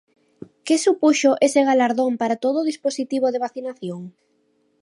Que supuxo ese galardón para todo o dispositivo de vacinación?